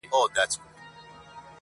لا یې تازه دي د ښاخونو سیوري،